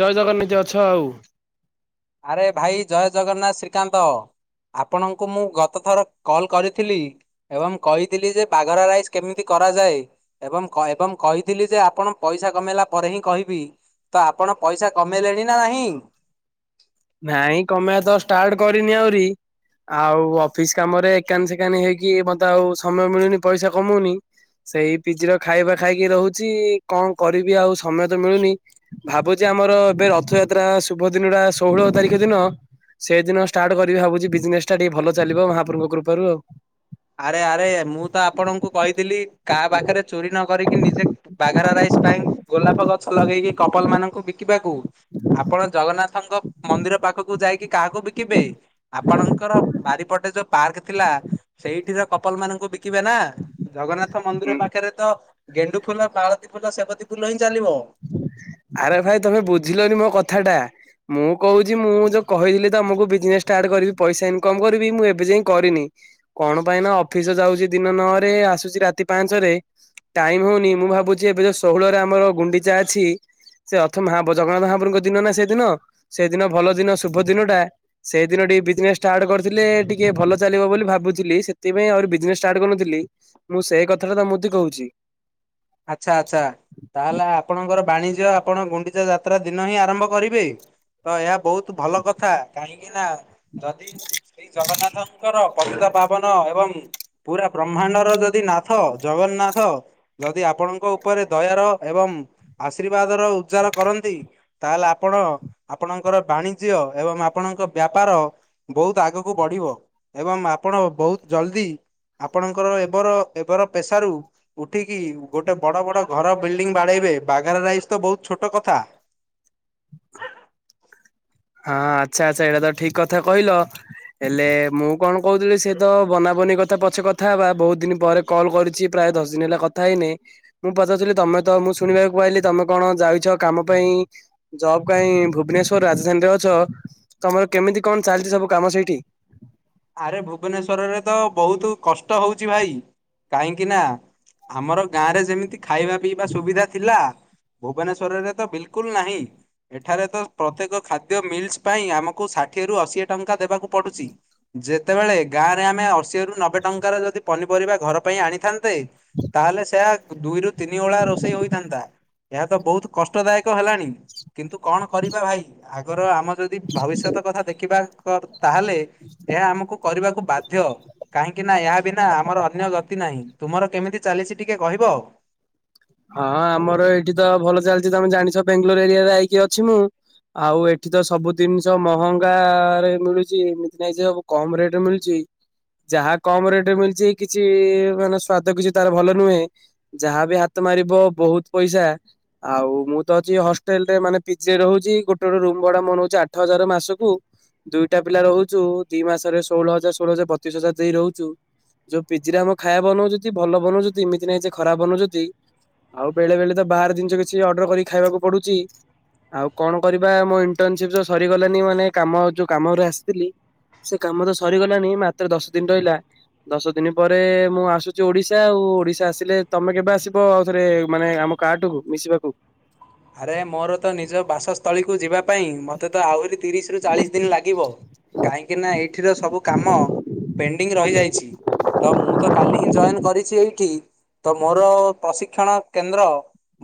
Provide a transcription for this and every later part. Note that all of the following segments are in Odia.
ଜୟ ଜଗନ୍ [inaudible] ତି ଅଛ ଆଉ? ଆରେ ଭାଇ ଜୟ ଜଗନ୍ନାଥ ଶ୍ରୀକାନ୍ତ। ଆପଣଙ୍କୁ ମୁଁ ଗତ ଥର କଲ୍ କରିଥିଲି। ଏବଂ କହିଥିଲି ଯେ ପାଗରା ରାଇସ୍ କେମିତି କ କରାଯାଏ। ଏବଂ କଏ ଏବଂ କହିଥିଲି ଯେ ଆପଣ ପଇସା କମେଇଲା ପରେ ହିଁ କହିବି। ତ ଆପଣ ପଇସା କମେଇଲେଣି ନା ନାହିଁ? ନାଇଁ କମେଇବା ତ ଷ୍ଟାର୍ଟ କରିନି ଆହୁରି। ଆଉ ଅଫିସ୍ କାମରେ ଏକାନ ସେକାନ ହେଇକି ମୋତେ ଆଉ ସମୟ ମିଳୁନି ପଇସା କମଉନି। ସେଇ ପିଜିର ଖାଇବା ଖାଇକି ରହୁଛି। କଣ କରିବି ଆଉ ସମୟ ତ ମିଳୁନି? ଭାବୁଚି ଆ ଆମର ଏବେ ରଥଯାତ୍ରା ଶୁଭ ଦିନ ଟା ଷୋହଳ ତାରିଖ ଦିନ। ସେଇଦିନ ଷ୍ଟାର୍ଟ କରିବି ଭାବୁଚି ବିଜନେସ୍ ଟା ଟିକେ ଭଲ ଚାଲିବ। ମହାପ୍ରଭୁଙ୍କ କୃପାରୁ ଆଉ। ଆଡେ, ଆରେ ମୁଁ ତ ଆପଣଙ୍କୁ କହିଥିଲି କାହା ପାଖରେ ଚୋରି ନ କରିକି ନିଜେ ବାଘର ରାଇସ୍ ପାଇଁ ଗୋଲାପ ଗଛ ଲଗେଇକି କପଲ୍ ମାନଙ୍କୁ ବିକିବାକୁ। ଆପଣ ଜଗନ୍ନାଥଙ୍କ ମନ୍ଦିର ପାଖକୁ ଯାଇକି କାହାକୁ ବିକିବେ? ଆପଣଙ୍କର ବାରିପଟେ ଯୋଉ ପାର୍କ ଥିଲା। ସେଇଠି ତ କପଲ୍ ମାନଙ୍କୁ ବିକିବେ ନା। ଜଗନ୍ନାଥ ହୁଁ ମନ୍ଦିର ପାଖରେ ତ ଗେଣ୍ଡୁ ଫୁଲ, ମାଳତୀ ଫୁଲ, ସେବତି ଫୁଲ ହିଁ ଚାଲିବ। ଆରେ ଭାଇ ତୋମେ ବୁଝିଲନି ମୋ କଥା ଟା। ମୁଁ କହୁଛି ମୁଁ ଯୋଉ କହିଥିଲି ତୋମକୁ ବିଜନେସ୍ ଷ୍ଟାର୍ଟ କରିବି। ପଇସା ଇନକମ୍ କରିବି। ମୁଁ ଏବେ ଯାଇଁ କରିନି। କଣ ପାଇଁ ନା ଅଫିସ୍ ଯାଉଛି ଦିନ ନଅ ରେ ଆସୁଛି ରାତି ପାଞ୍ଚ ରେ। ଟାଇମ୍ ହଉନି। ମୁଁ ଭାବୁଛି ଏବେ ଯୋଉ ଷୋହଳରେ ଆମର ଗୁଣ୍ଡିଚା ଅଛି। ସେ ଅଥ ମହା ପ- ଜଗନ୍ନାଥ ମହାପ୍ରଭଙ୍କ ଦିନ ନା ସେଦିନ। ସେଦିନ ଭଲ ଦିନ ଶୁଭ ଦିନ ଟା। ସେଇଦିନ ଏ ବିଜନେସ୍ ଷ୍ଟାର୍ଟ କରିଥିଲେ ଟିକେ ଭଲ ଚାଲିବ ବୋଲି ଭାବୁଥିଲି। ସେଥିପାଇଁ ଆହୁରି ବିଜନେସ୍ ଷ୍ଟାର୍ଟ କରିନଥିଲି। ମୁଁ ସେଇ କଥାଟା ତମୁତି କହୁଛି। ଆଚ୍ଛା, ଆଚ୍ଛା। ତାହେଲେ ଆପଣଙ୍କର ବାଣିଜ୍ୟ ଆପଣ ଗୁଣ୍ଡିଚା ଯାତ୍ରା ଦିନ ହିଁ ଆରମ୍ଭ କରିବେ। ତ ଏହା ବହୁତ ଭଲ କଥା କାହିଁକି ନା ଯଦି ଶ୍ରୀ ଜଗନ୍ନାଥଙ୍କର ପତିତପାବନ ଏବଂ ପୁରା ବ୍ରହ୍ମାଣ୍ଡର ଯଦି ନାଥ ଜଗନ୍ନାଥ ଯଦି ଆପଣଙ୍କ ଉପରେ ଦୟାର ଏବଂ ଆଶୀର୍ବାଦର ଉଜାର କରନ୍ତି ତାହେଲେ ଆପଣ ଓ ଆପଣଙ୍କର ବାଣିଜ୍ୟ ଏବଂ ଆପଣଙ୍କ ବ୍ୟାପାର ବହୁତ ଆଗକୁ ବଢିବ। ଏବଂ ଆପଣ ବହୁତ ଜଲଦି ଆପଣଙ୍କର ଏବର ଏବର ପେସାରୁ ଉ ଉଠିକି ଗୋଟେ ବଡ ବଡ ଘର ବିଲଡିଙ୍ଗ ବାଡେଇବେ। ବାଘାରା ରାଇସ୍ ତ ବହୁତ ଛୋଟ କଥା। ହଁ ଆଚ୍ଛା, ଆଚ୍ଛା ଏଇଟା ତ ଠିକ କଥା କହିଲ। ହେଲେ ମୁଁ କଣ କହୁଥିଲି ସେ ତ ବନାବ ନି କଥା ପଛେ କଥା ହବା। ବହୁତ ଦିନ ପରେ କଲ୍ କରିଛି ପ୍ରାୟ ଦଶ ଦିନ ହେଲା କଥା ହେଇନି। ମୁଁ ପଚାରୁଥିଲି ତୋମେ ତ ମୁଁ ଶୁଣିବାକୁ ପାଇଲି, ତୋମେ କଣ ଯାଇଛ କାମ ପାଇଁ ଜବ୍ କାଇଁ ଭୁବନେଶ୍ଵର ରାଜ [unintelligible] ଅଛ, ତୋମର କେମିତି କଣ ଚାଲିଚି ସବୁ କାମ ସେଇଠି? ଆରେ ଭୁବନେଶ୍ଵରରେ ତ ବହୁତ କଷ୍ଟ ହଉଛି ଭାଇ। କାହିଁକି ନା ଆମର ଗାଁ ରେ ଯେମିତି ଖାଇବା ପିଇବା ସୁବିଧା ଥିଲା। ଭୁବନେଶ୍ଵରରେ ତ ବିଲକୁଲ ନାହିଁ। ଏଠାରେ ତ ପ୍ରତ୍ୟେକ ଖାଦ୍ୟ ମିଲ୍ସ ପାଇଁ ଆମକୁ ଷାଠିଏ ରୁ ଅଶୀଏ ଟଙ୍କା ଦେବାକୁ ପଡୁଚି। ଯେତେବେଳେ ଗାଁ ରେ ଆମେ ଅଶୀଏରୁ ନବେ ଟଙ୍କାର ଯଦି ପନିପରିବା ଘର ପାଇଁ ଆଣିଥାନ୍ତେ ତାହେଲେ ସେୟା ଦୁଇରୁୁ ତିନି ଓଳା ରୋଷେଇ ହୋଇଥାନ୍ତା। ଏହା ତ ବହୁତ କଷ୍ଟଦାୟକ ହେଲାଣି। କିନ୍ତୁ କଣ କରିବା ଭାଇ, ଆଗର ଆମ ଯଦି ଭବିଷ୍ୟତ କଥା ଦେଖିବା କ-ତାହେଲେ ଏହା ଆମକୁ କରିବାକୁ ବାଧ୍ୟ। କାହିଁକି ନା ଏହା ବିନା ଆମର ଅନ୍ୟ ଗତି ନାହିଁ। ତୁମର କେମିତି ଚାଲିଛି ଟିକେ କହିବ? ହଁ ଆମର ଏଇଠି ତ ଭଲ ଚାଲିଚି। ତୋମେ ଜାଣିଛ ବେଙ୍ଗଲୋର ଏରିଆରେ ଆଇକି ଅଛି ମୁଁ। ଆଉ ଏଠି ତ ସବୁ ଜିନିଷ ମହଙ୍ଗା ରେ ମିଳୁଛି ଏମିତି ନାଇଁ ଯେ ସବୁ କମ ରେଟ୍ ରେ ମିଳୁଚି। ଯାହା କମ ରେଟ୍ ରେ ମିଳିଛି ଏଇ କିଛି ମାନେ ସ୍ଵାଦ କିଛି ତାର ଭଲ ନୁହେଁ। ଯାହାବି ହା ତ ମାରିବ ବହୁତ ପଇସା। ଆଉ ମୁଁ ତ ଅଛି ହଷ୍ଟେଲ୍ ରେ ମାନେ ପିଜେ ରହୁଚି। ଗୋଟେ ଗୋଟେ ରୁ ବଡ ମୁନଉଛି ଆଠ ହଜାରେ ମାସକୁ। ଦୁଇଟା ପିଲା ରହୁଛୁ ଦି ମାସରେ ଷୋହଳ ହଜାର ଷୋହଳ ହଜାର ବତିସି ହଜାର ଦେଇ ରହୁଛୁ। ଯୋଉ ପିଜିରେ ଆମ ଖାଇବା ବନଉଚନ୍ତି ଭଲ ବାନଉଚନ୍ତି ଏମିତି ନାଇ ଯେ ଖରାପ ବନଉଚନ୍ତି। ଆଉ ବେଳେ ବେଳେ ତ ବାହାର ଜିନିଷ କିଛି ଅର୍ଡର କରିିକି ଖାଇବାକୁ ପଡୁଚି। ଆଉ କଣ କରିବା ମୋ ଇଣ୍ଟରନସିପ ସରିଗଲାନି ମାନେ କାମ ଯୋଉ କାମରେ ଆସିଥିଲି ସେ କାମ ତ ସରିଗଲାଣିି ମାତ୍ର ଦଶ ଦିନ ରହିଲା। ଦଶ ଦିନି ପରେ ମୁଁ ଆସୁଚି ଓଡିଶା ଆଉ ଓଡିଶା ଆସିଲେ ତମେ କେବେ ଆସି ବ ଆଉ ଥରେ ମାନେ ଆମ କାହାଠୁକୁୁ ମିଶିବାକୁ ଆରେ ମୋର ତ ନିଜ ବାସସ୍ଥଳୀକୁ ଯିବା ପାଇଁ ମତେ ତ ଆହୁରି ତିରିଶି ରୁ ଚାଳିଶି ଦିନି ଲାଗିବ। କାହିଁକି ନା ଏଇଠିର ସବୁ କାମ ପେଣ୍ଡିଂ ରହିଯାଇଛି। ତ ମୁଁ ତକାଲି ହିଁ ଜଏନି କରିଛି ଏଇଠି। ତ ମୋର ପ୍ରଶିକ୍ଷଣ କେନ୍ଦ୍ର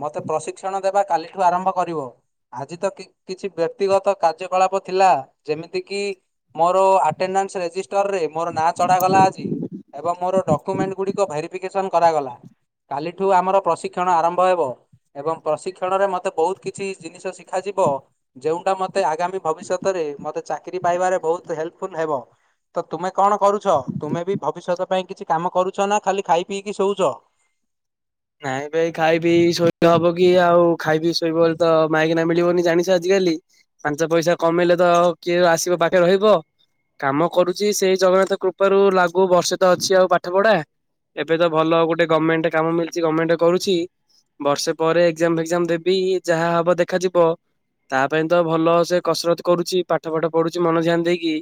ମତେ ପ୍ରଶିକ୍ଷଣ ଦେ ବା କାଲିଠୁ ଆରମ୍ଭ କରିବ ଆଜି ତ କିଛି ବ୍ୟକ୍ତିଗତ କାର୍ଯ୍ୟକଳାପ ଥିଲା ଯେମିତି କିି ମୋର ଆଟେନାସ ରେଜିଷ୍ଟ ଟରେ ମୋର ନାଁ ଚଢାଗଲା ଆଜି ଏବଂ ମୋର ଡକ୍ୟୁମେଣ୍ଟ ଗୁଡ଼ିକ ଭେରିଫିକେସନ୍ କରାଗଲା କାଲିଠୁ ଆମର ପ୍ରଶିକ୍ଷଣ ଆରମ୍ଭ ହେବ ଏବଂ ପ୍ରଶି କ୍ଷଣରେ ମତେ ବହୁତ କିଛି ଜିନିଷ ଶିଖାଯିବ ଯଉଟା ମତେ ଆଗାମୀ ଭବିଷ୍ୟତରେ ମତେ ଚାକିରି ପାଇବାରେ ବହୁତ ହେଲ୍ପଫୁଲ ହେବ ତ ତୁମେ କଣ କରୁଛ ତୁମେ ବି ଭବିଷ୍ୟତ ସେଥି ପାଇଁ କିଛି କାମ କରୁଛ ନା ଖାଲି ଖାଇ ପିଇକି ଶୋଉଛ? ନାଇଁ ଭାଇ ଖାଇ ପିଇକି ଶୋଇଲେ ହବ କି ଆଉ ଖାଇ ପିଇକି ଶୋଇବ ବୋଲି ତ ମାଇକିନା ମିଳିବନି ଜାଣିଛ ଆଜି ଡେଲି ପାଞ୍ଚ ପଇସା କମେଇଲେ ତ ଆଉ କିଏ ଆସିବ ପାଖେ ରହିବ। କାମ କରୁଛି ସେଇ ଜଗନ୍ନାଥ କୃପାରୁ ଲାଗୁ ବର୍ଷେ ତ ଅଛି ଆଉ ପାଠ ପଢା। ଏବେ ତ ଭଲ ଗୋଟେ ଗମେଣ୍ଟ କାମ ମିଳିଛି ଗମେଣ୍ଟ କରୁଚି। ବର୍ଷେ ପରେ ଏକ୍ଜାମ ଫେକ୍ଜାମ ଦେବି ଯାହା ହବ ଦେଖାଯିବ। ତା ପାଇଁ ତ ଭଲ ସେ କସରତ କରୁଛି ପାଠ ଫାଠ ପଢୁଛି ମନ ଧ୍ୟାନ ଦେଇକି।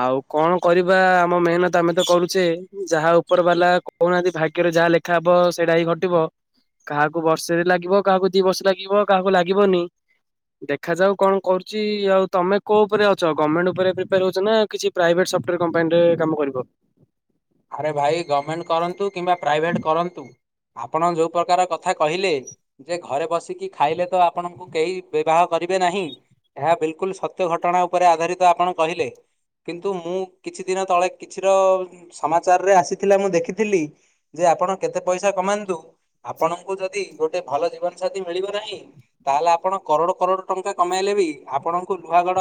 ଆଉ କଣ କରିବା ଆମ ମେହେନତ ଆମେ ତ କରୁଛେ ଯାହା ଉପର ବାଲା କହୁନାହାନ୍ତି ଭାଗ୍ୟ ଯାହା ଲେଖା ହେବ ସେଇଟା ହିଁ ଘଟିବ କାହାକୁ ବର୍ଷେରେ ଲାଗିବ କାହାକୁ ଦି ବର୍ଷ ଲାଗିବ କାହାକୁ ଲାଗିବନି। ଦେଖାଯାଉ କଣ କରୁଚି ଆଉ ତମେ କୋଉ ଉପରେ ଅଛ ଗମେଣ୍ଟ ଉପରେ ପ୍ରିପାୟାର ହଉଛ ନା କିଛି ପ୍ରାଇଭେଟ ସଫ୍ଟୱାର କମ୍ପାନୀରେ କାମ କରିବ। ଆରେ ଭାଇ ଗମେଣ୍ଟ କରନ୍ତୁ କିମ୍ବା ପ୍ରାଇଭେଟ କରନ୍ତୁ ଆପଣ ଯୋଉ ପ୍ରକାର କଥା କହିଲେ ଯେ ଘରେ ବସିକି ଖାଇଲେ ତ ଆପଣଙ୍କୁ କେହି ବିବାହ କରି ଏବେ ନାହିଁ ଏହା ବିଲକୁଲ ସତ୍ୟ ଘଟଣା ଉପରେ ଆଧାରିତ ଆପଣ କହିଲେ। କିନ୍ତୁ ମୁଁ କିଛି ଦିନ ତଳେ କିଛିର ସମାଚାରରେ ଆସିଥିଲା ମୁଁ ଦେଖିଥିଲି ଯେ ଆପଣ କେତେ ପଇସା କମାନ୍ତୁ ଆପଣଙ୍କୁ ଯଦି ଗୋଟେ ଭଲ ଜୀବନ ସାାଥିୀ ମିଳିବ ନାହିଁ ତାହେଲେ ଆପଣ କରୋଡ କରୋଡ ଟଙ୍କା କମେଇଲେ ବି ଆପଣଙ୍କୁ ଲୁହାଗଡ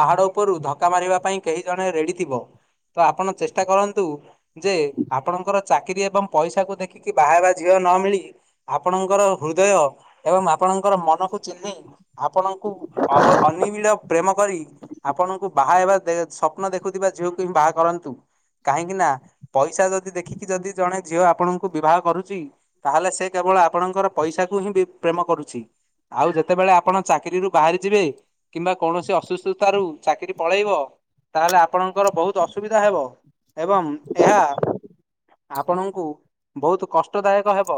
ପାହାଡ ଉପରୁ ଧକ୍କା ମାରିବା ପାଇଁ କେହି ଜଣେ ରେଡି ଥିବ। ତ ଆପଣ ଚେଷ୍ଟା କର ନ୍ତୁ ଯେ ଆପଣଙ୍କର ଚାକିରି ଏବଂ ପଇସାକୁ ଦେଖିକି ବାହା ହେବା ଝିଅ ନ ମିଳି ଆପଣ ଆପଣଙ୍କର ହୃଦୟ ଏବଂ ଆପଣଙ୍କର ମନକୁ ଚିହ୍ନି ଆପଣଙ୍କୁ ଅବ ଅନିବିଳ ପ୍ରେମ କରି ଆପଣଙ୍କୁ ବାହା ହେବା ସ୍ୱପ୍ନ ଦେଖୁଥିବା ଝିଅକୁ ହିଁ ବାହା କରନ୍ତୁ। କାହିଁକି ନା ପଇସା ଯଦି ଦେଖିକି ଯଦି ଜଣେ ଝିଅ ଆପଣଙ୍କୁ ବିବାହ କରୁଛି ତାହେଲେ ସେ କେବଳ ଆ ଆପଣଙ୍କର ପଇସା କୁ ହିଁ ବି ପ୍ରେମ କରୁଛି। ଆଉ ଯେତେବେଳେ ଆପଣ ଚାକିରିରୁ ବାହାରି ଯିବେ କିମ୍ବା କୌଣସି ଅସୁସୁତା ରୁ ଚାକିରି ପଳେଇବ ତାହେଲେ ଆପଣଙ୍କର ବହୁତ ଅସୁବିଧା ହେବ ଏବଂ ଏହା ଆପଣଙ୍କୁ ବହୁତ କଷ୍ଟଦାୟକ ହେବ।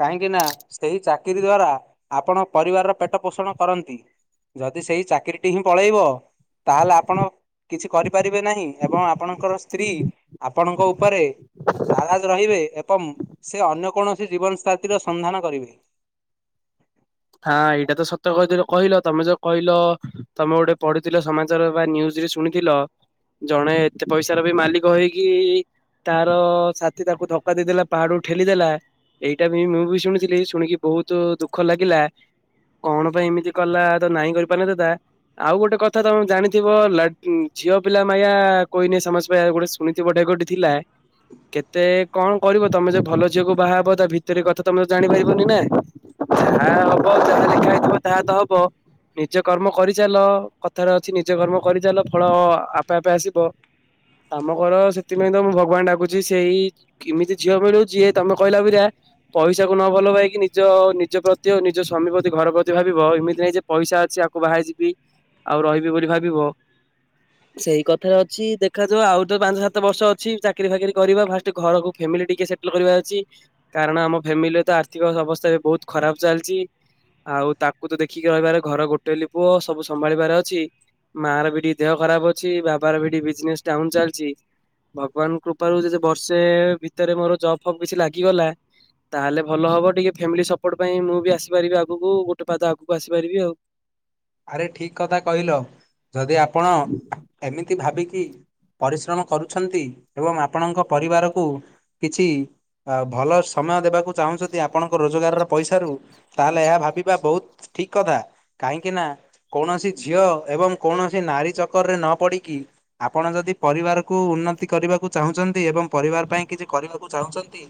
କାହିଁକି ନା ସେହି ଚାକିରି ଦ୍ୱାରା ଆପଣ ପରିବାରର ପେଟ ପୋଷଣ କରନ୍ତି। ଯଦି ସେଇ ଚାକିରିଟି ହିଁ ପଳେଇବ ତାହେଲେ ଆପଣ କିଛି କରିପାରିବେ ନାହିଁ ଏବଂ ଆପଣ ଙ୍କର ସ୍ତ୍ରୀ ଆପଣଙ୍କ ଉପରେ ନାରାଜ ରହିବେ ଏବଂ ସେ ଅନ୍ୟ କୌଣସି ଜୀବନ ସାଥିର ସନ୍ଧାନ କରିବେ। ହଁ ଏଇଟା ତ ସତ କହିଥିଲ କହିଲ ତମେ ଯୋଉ କହିଲ ତମେ ଗୋଟେ ପଢିଥିଲ ସମାଚାର ବା ନିୟୁଜ୍। ଯେ ଶୁଣିଥିଲ ଜଣେ ଏତେ ପଇସାର ବି ମାଲିକ ହେଇକି ତାର ସାଥିୀ ତାକୁ ଧକ୍କା ଦେଇଦେଲା ପାହାଡୁ ଠେଲିଦେଲା। ଏଇଟା ବି ମୁଁ ବି ଶୁଣିଥିଲି ଶୁଣିକି ବହୁତ ଦୁଃଖ ଲାଗିଲା। କଣ ପାଇଁ ଏମିତି କଲା ତ ନାଇଁ କରିପାରିଥାନ୍ତା। ଆଉ ଗୋଟେ କଥା ତମେ ଜାଣିଥିବ ଝିଅ ପିଲା ମାୟା କୋଇନେଇ ସମଜ୍ ପାୟା ଗୋଟେ ଶୁଣିଥିବ ଗୋଟେ। ଗୋଟେ ଥିଲା। କେତେ କଣ କରିବ ତମେ ଯୋଉ ଭଲ ଝିଅକୁ ବାହାହବ ତା ଭିତରେ କଥା ତମେ ତ ଜାଣିପାରିବନି ନା। ଯାହା ହବ ଯାହା ଲଖା ହେଇଥିବ ତାହା ତ ହବ। ନିଜ କର୍ମ କରିଚାଲ କଥାରେ ଅଛି ନିଜ କର୍ମ କରିଚାଲ ଫଳ ଆପେ ଆପେ ଆସିବ। ଆମ ଘର ସେଥିପାଇଁ ତ ମୁଁ ଭଗବାନ ଡାକୁୁଛି ସେଇ ଏମିତି ଝିଅ ମିଳୁଛି ଯିଏ ତମେ କହିଲା ପିରା ପଇସା କୁ ନ ଭଲ ପାଇକି ନିଜ ନିଜ ପ୍ରତି ଅନି ଯିଏ ସ୍ୱାମୀ ପ୍ରତି ଘର ପ୍ରତି ଭାବିବ ଏମିତି ନାଇଁ ଯେ ପଇସା ଅଛି ଆକୁ ବାହାହେଇଯିବି। ଆଉ ରହିବି ବୋଲି ଭାବିବ। ସେଇ କଥାରେ ଅଛି ଦେଖାଯାଉ ଆଉ ତ ପାଞ୍ଚ ସାତ ବର୍ଷ ଅଛି ଚାକିରି ଫାକିରି କରିବା ଫାଷ୍ଟ ଘରକୁ ଫେମ ମିଲି ଟିକେ ସେଟଲ୍ କରିବା ଅଛି। କାରଣ ଆମ ଫ୍ୟାମିଲିରେ ତ ଆର୍ଥିକ ଅବସ୍ଥା ବି ବହୁତୁ ଖରାପ ଚାଲିଚି। ଆଉ ତାକୁ ତ ଦେଖିକି ରହିବାର ଘର ଗୋଟେ ବୋଲି ପୁଅ ସବୁ ସମ୍ଭାଳିବାର ଅଛି। ମାଆ ର ବି ଟିକେ ଦେହ ଖରାପ ଅଛି ବାବାର ବି ଟିକେ ବିଜନେସ୍ ଡାଉନ୍‌ ଚାଲିଚି। ଭଗବାନଙ୍କ କୃପାରୁ ଯେ ବର୍ଷେ ଭିତରେ ମୋର ଜପ୍ ଫପ୍ କିଛି ଲାଗିଗଲା। ତାହେଲେ ଭଲ ହବ ଟିକେ ଫ୍ୟାମିଲି ସପୋର୍ଟ ପାଇଁ ମୁଁ ବି ଆସ ଆସିପାରିବି ଆଗକୁ ଗୋଟେ ପାଦ ଆଗକୁ ଆସିପାରିବି ଆଉ। ଆରେ ଠିକ୍ କଥା କହିଲ ଯଦି ଆପଣ ଏମିତି ଭାବିକି ପରିଶ୍ରମ କରୁଛନ୍ତି ଏବଂ ଆପଣଙ୍କ ପରିବାରକୁ କିଛି ଆ ଭଲ ସମୟ ଦେବାକୁ ଚାହୁଁଛନ୍ତି ଆପଣଙ୍କ ରୋଜଗାରର ପଇସାରୁ ତାହେଲେ ଏହା ଭାବିବା ବହୁତ ଠିକ୍ କଥା କାହିଁକି ନା କୌଣସି ଝିଅ ଏବଂ କୌଣସି ନାରୀ ଚକରରେ ନ ପଡିକି ଆପଣ ଯଦି ପରିବାରକୁ ଉନ୍ନତି କରିବାକୁ ଚାହୁଁଛନ୍ତି ଏବଂ ପରିବାର ପାଇଁ କିଛି କରିବାକୁ ଚାହୁଁଛନ୍ତି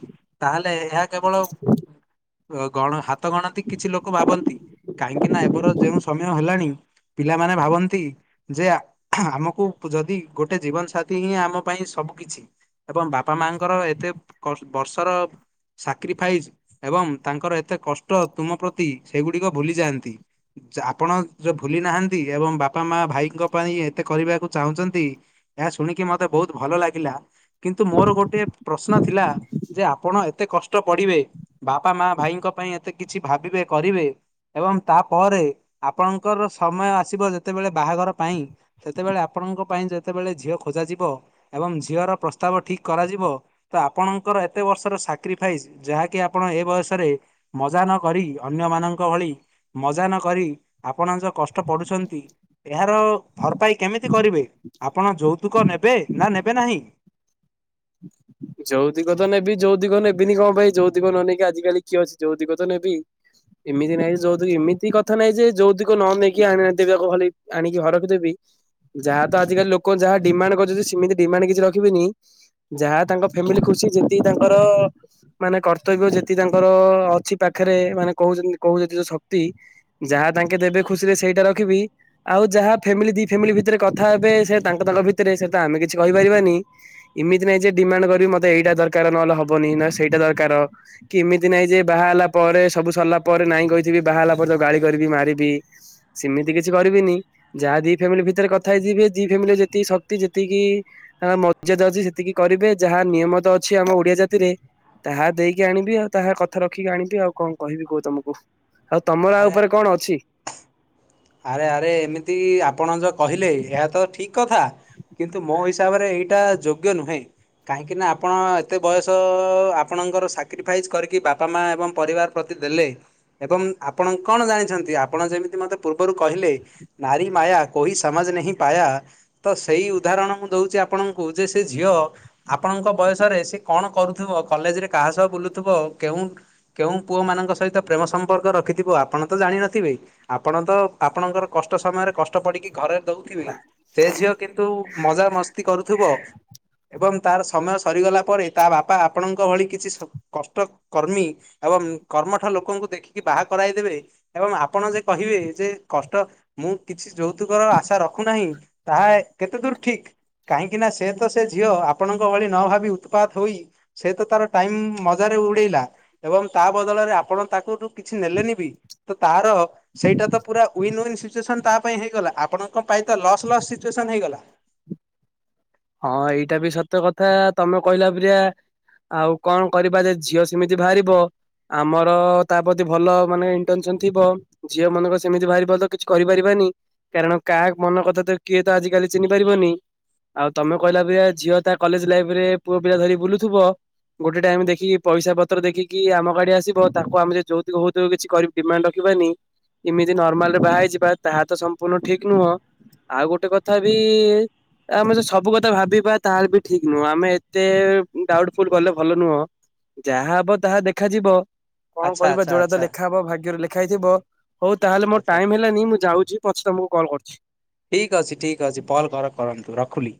ତାହେଲେ ଏହା କେବଳ ଗଣ ହାତ ଗଣନ୍ତି କିଛି ଲୋକ ଭାବନ୍ତି କାହିଁକି ନା ଏବେର ଯୋଉଁ ସମୟ ହେଲାଣି। ପିଲାମାନେ ଭାବନ୍ତି ଯେ ଆମକୁ ଯଦି ଗୋଟେ ଜୀବନ ସାଥୀ ହିଁ ଆମ ପାଇଁ ସ ସବୁ କିଛି ଏବଂ ବାପା ମାଙ୍କର ଏତେ ବର୍ଷର ସାକ୍ରିଫାଇଯ ଏବଂ ତାଙ୍କର ଏତେ କଷ୍ଟ ତୁମ ପ୍ରତି ସେଗୁଡିକ ଭୁଲି ଯାଆନ୍ତି। ଯାହା ଆପଣ ଯୋଉ ଭୁଲି ନାହାନ୍ତି ଏବଂ ବାପା ମାଆ ଭାଇଙ୍କ ପାଇଁ ଏତେ କରିବାକୁ ଚାହୁଁଛନ୍ତି ଏହା ଶୁଣିକି ମତେ ବହୁତ ଭଲ ଲାଗିଲା କିନ୍ତୁ ମୋର ଗୋଟେ ପ୍ରଶ୍ନ ଥିଲା ଯେ ଆପଣ ଏତେ କଷ୍ କଷ୍ଟ ପଡ଼ିବେ ବାପା ମାଆ ଭାଇଙ୍କ ପାଇଁ ଏତେ କିଛି ଭାବିବେ କରିବେ ଏବଂ ତାପରେ ଆପଣଙ୍କର ସମୟ ଆସିବ ଯେତେବେଳେ ବାହାଘର ପାଇଁ ସେତେବେଳେ ଆପଣଙ୍କ ପାଇଁ ଯେତେବେଳେ ଝିଅ ଖୋ ଖୋଜାଯିବ ଏବଂ ଝିଅର ପ୍ରସ୍ତାବ ଠିକ୍ କରାଯିବ ତ ଆପଣଙ୍କର ଏତେ ବର୍ଷର ସାକ୍ରିଫାଇସ୍ ଯାହାକି ଆପଣ ଏ ବୟସରେ ମଜା ନ କରି ଅନ୍ୟମାନଙ୍କ ଭଳି ମଜା ନ କରି ଆପଣ ଯୋଉ କଷ୍ଟ ପଢୁଛନ୍ତି ଏହାର ଭରପାଇ କେମିତି କରିବେ ଆପଣ ଯୌତୁକ ନେବେ ନା ନେବେ ନାହିଁ। [inaudible] ଯୌତୁକ ତ ନେବି ଯୌତୁକ ନେବ୍ ନେବିନି କଣ ପାଇଁ ଯୌତୁକ ନ ନେଇକି ଆଜିକାଲି କିଏ ଅଛି ଯୌତୁକ ତ ନେବି। ଏମିତି ନାଇଁ ଯେ ଏମିତି କଥା ନାଇଁ ଯେ ଯୌତୁକ ନ ନେଇକି ଆଣ ନ ଦେବି ଆକୁ ଖାଲି ଆଣିକି ହଡ଼ା କୁ ଦେବି। ଯାହା ତ ଆଜିକାଲି ଲୋକ ଯାହା ଡିମାଣ୍ଡ କରୁଛନ୍ତି ସେମିତି ଡିମାଣ୍ଡ କିଛି ରଖିବିନି ଯାହା ତାଙ୍କ ଫ୍ୟାମିଲି ଖୁସି ଯେମିତି ତାଙ୍କର ମାନେ କର୍ତ୍ତବ୍ୟ ଯେତିକି ତାଙ୍କର ଅଛି ପାଖରେ ମାନେ କହୁ କହୁ ଯୋ ଶକ୍ତି ଯାହା ତା ତାଙ୍କେ ଦେବେ ଖୁସିରେ ସେଇଟା ରଖିବି ଆଉ ଯାହା ଫ୍ୟାମିଲି ଦି ଫ୍ୟାମିଲି ଭିତରେ କଥା ହେବେ ସେ ତାଙ୍କ ତାଙ୍କ ଭିତରେ ରେ ସେ ତ ଆମେ କିଛି କହିପାରିବା ନି ଏମିତି ନାଇଁ ଯେ ଡିମାଣ୍ଡ କ ରି ମତେ ଏଇଟା ଦରକାର ନହଲେ ହବନି ନା ସେଇଟା ଦରକାର କି ଏମିତି ନାଇଁ ଯେ ବାହା ହେଲା ପରେ ସବୁ ସରିଲା ପ ପରେ ନାଇଁ କହିଥିବି। ବାହାହେଲା ପରେ ତାକୁ ଗାଳି କରିବି, ମାରିବି ସେମିତି କିଛି କରିବିନି। ଯାହା ଦି ଫ୍ୟାମିଲି ଭିତରେ କଥା ହେଇଥିବେ ଦି ଫ୍ୟାମିଲିର ଯେତିକି ଶକ୍ତି ଯେତିକି ଆ ମର୍ଯ୍ୟାଦା ଅଛି ସେତିକି କରିବେ ଯାହା ନିୟମ ତ ଅଛି ଆମ ଓଡିଆ ଜାତିରେ ତାହା ଦେଇକି ଆଣିବି ଆଉ ତାହା କଥା ରଖିକି ଆଣିବି ଆଉ କଣ କହିବି କୁହ ତମକୁ। ଆଉ ତମଳା ଆରେ ଉପରେ କଣ ଅଛି? ଆରେ ଆରେ ଏମିତି ଆପଣ ଯୋ କହିଲେ ଏହା ତ ଠିକ କଥା। କିନ୍ତୁ ମୋ ହି ସାବରେ ଏଇଟା ଯୋଗ୍ୟ ନୁହେଁ। କାହିଁକି ନା ଆପଣ ଏତେ ବୟସ ଆପଣଙ୍କର ସାକ୍ରିଫାଇସ୍ କରିକି ବାପା ମା ଏବଂ ପରିବାର ପ୍ରତି ଦେଲେ ଏବଂ ଆପଣ କଣ ଜାଣିଛନ୍ତି ଆପଣ ଯେମିତି ମତେ ପୂର୍ବରୁ କହିଲେ ନାରୀ ମାୟା କୋଇ ସମଝ୍ ନେଇଁ ପାୟା ତ ସେଇ ଉଦାହରଣ ମୁଁ ଦଉଛି। ଆପଣଙ୍କୁ ଯେ ସେ ଝିଅ ଆପଣଙ୍କ ବୟସରେ ସେ କଣ କରୁଥିବ, କଲେଜରେ କାହା ସହ ବୁଲୁଥିବ। ତ କେଉଁ କେଉଁ ପୁଅମାନଙ୍କ ସହିତ ପ୍ରେମ ସମ୍ପର୍କ ରଖିଥିବ ଆପଣ ତ ଜାଣିନଥିବେ ଆ ଆପଣ ତ ଆପଣଙ୍କର କଷ୍ଟ ସମୟରେ କଷ୍ଟ ପଡ଼ିକି। ଘରେ ଦଉଥିବି ସେ ଝିଅ କିନ୍ତୁ ମଜାମସ୍ତି କରୁଥିବ ଏବଂ ତାର ସମୟ ସରିଗଲା ପରେ ତା ବାପା ଆପଣଙ୍କ ଭଳି କିଛି ସ କଷ୍ଟକର୍ମୀ ଏବଂ କର୍ମଠ ଲୋକଙ୍କୁ ଦେଖିକି ବାହା କରାଇଦେବେ ଏବଂ ଆପଣ ଯେ କହିବେ ଯେ କଷ୍ଟ ମୁଁ କିଛି ଯୌତୁକର ଆଶା ରଖୁନାହିଁ ତାହା ଏ କେତେ ଦୂର ଠିକ କାହିଁକି ନା ସେ ତ ସେ ଝିଅ ଆପଣଙ୍କ ଭଳି ନଭାବି ଉତ୍ପାତ ହୋଇ, ସେ ତ ତାର ଟାଇମ ମଜାରେ ଉଡେଇଲା ଏବଂ ତା ବଦଳରେ ଆପଣ ତାକୁ ତୁ କିଛି ନେଲେନି ବି। ତ ତାର ସେଇଟା ତ ପୁରା ୱିନ୍ ୱନ୍ ସିଚୁଏସନ ତା ପାଇଁ ହେଇଗଲା, ଆପଣଙ୍କ ପାଇଁ ତ ଲସ୍ ଲସ୍ ସିଚୁଏସନ୍ ହେଇଗଲା। ହଁ, ଏଇଟା ବି ସତ କଥା ତମେ କହିଲା ପରିଆ ଆଉ କଣ କରିବା ଯଦି ଝିଅ ସେମିତି ବାହାରିବ ଆମର ତା ପ୍ରତି ଭଲମାନେ ଇଣ୍ଟେନସନ ଥିବ। ଝିଅ ମନେକର ସେମିତି ବାହାରିବ ତ କିଛି କରିପାରିବାନି। ନି କାରଣ, କାହା ମନ କଥା ତ କିଏ ତ ଆଜିିକାଲି ଚିହ୍ନି ପାରିବନି। ଆଉ ତମ କହିଲା ପରିକା ଝିଅ ତା କଲେଜ ଲାଇଫରେ ପୁଅପିଲା ଧରି ବୁଲୁଥିବ। ଗୋଟେ ଟାଇମ ଦେଖିକି, ପଇସା ପତ୍ର ଦେଖିକି ଆମ ଗାଡି ଆସିବ ତାକୁ ଆମେ ଯଉତୁକ ଫଉତୁକ କିଛି କର ଡିମାଣ୍ଡ ରଖିବୁ ବାନି ଏମିତି ନର୍ମାଲରେ ବାହା ହେଇଯିବା ତାହା ତ ସମ୍ପୂର୍ଣ୍ଣ ଠିକ ନୁହଁ। ଆଉ ଗୋଟେ କଥା ବି ଆମେ ତ ସୁ ସବୁ କଥା ଭାବିବା ତାହେଲେ ବି ଠିକ ନୁହଁ। ଆମେ ଏତେ ଡାଉଟଫୁଲ ଗଲେ ଭଲ ନୁହଁ। ଯାହା ହବ ତାହା ଦେଖାଯିବ କଣ ଆଚ୍ଛା କରିବା ଆଚ୍ଛା ଯୋଟାତ ଆଚ୍ଛା ଲେଖା ହବ ଭାଗ୍ୟରେ ଲେଖା ହେଇଥିବ। ହଉ ତାହେଲେ ମୋର ଆଚ୍ଛା। ଟାଇମ ହେଲାନି ମୁଁ ଯାଉଛି ପଛେ ତମକୁ କଲ୍ କରୁଛି। ଠିକ ଅଛି ଠିକ ଅଛି ପହଲ୍ ଘର କରନ୍ତୁ ରଖିଲି।